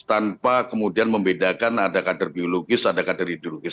tanpa kemudian membedakan ada kader biologis ada kader ideologis